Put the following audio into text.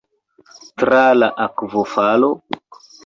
Tra la akvofalo?